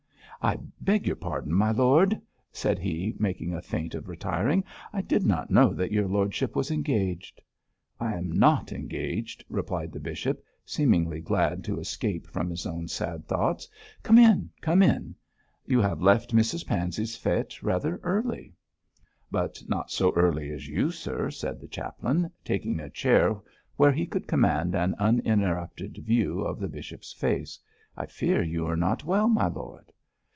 'I beg your pardon, my lord,' said he, making a feint of retiring, 'I did not know that your lordship was engaged.' 'I am not engaged,' replied the bishop, seemingly glad to escape from his own sad thoughts; 'come in, come in. You have left Mrs Pansey's fête rather early.' 'But not so early as you, sir,' said the chaplain, taking a chair where he could command an uninterrupted view of the bishop's face. 'I fear you are not well, my lord.'